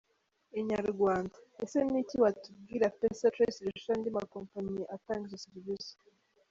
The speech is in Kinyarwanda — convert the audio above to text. Inyarwanda: Ese n’iki watubwira PesaChoice irusha andi makompanyi atanga izo serivisi?.